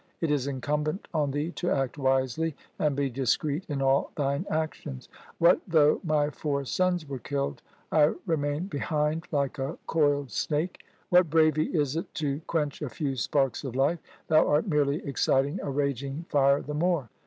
It is incumbent on thee to act wisely, and be discreet in all thine actions. What though my four sons were killed, I remain behind like a coiled 1 snake. What bravery is it to quench a few sparks of life ? Thou art merely exciting a raging fire the more.